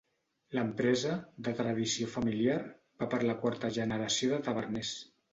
L'empresa, de tradició familiar, va per la quarta generació de taverners.